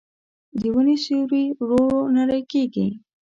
د ونو سیوري ورو ورو نری کېږي